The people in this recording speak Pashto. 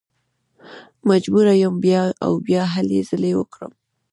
مجبوره یم بیا او بیا هلې ځلې وکړم.